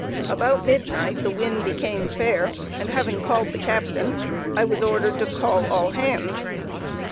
About midnight the wind became fair, and having called the captain, I was ordered to call all hands.